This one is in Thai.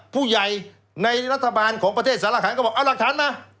ผู้ใหญ่ในรัฐบาลของประเทศสารก็บอกเอาหลักฐานมา